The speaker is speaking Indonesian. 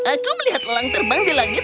aku melihat lelang terbang di atas pohon